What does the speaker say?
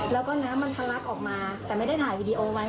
ไม่ทันหนูไม่สามารถแนะนำได้